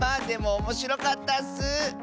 でもおもしろかったッス！